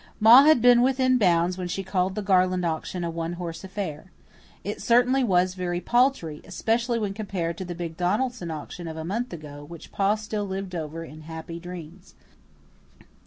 Ma had been within bounds when she called the Garland auction a "one horse affair." It certainly was very paltry, especially when compared to the big Donaldson auction of a month ago, which Pa still lived over in happy dreams.